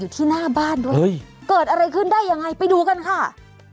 ที่หน้าบ้านด้วยเกิดอะไรขึ้นได้ยังไงไปดูกันค่ะ